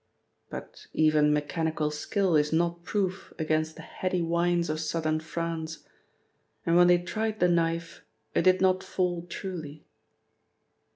But even mechanical skill is not proof against the heady wines of southern France, and when they tried the knife it did not fall truly.